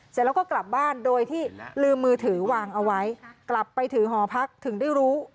เสร็จแล้วก็กลับบ้านโดยที่ลืมมือถือวางเอาไว้กลับไปถือหอพักถึงได้รู้